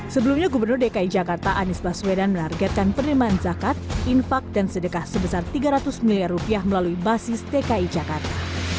sebelumnya gubernur dki jakarta anies baswedan menargetkan penerimaan zakat infak dan sedekah sebesar tiga ratus miliar rupiah melalui basis dki jakarta